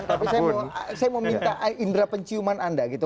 tapi saya mau minta indera penciuman anda gitu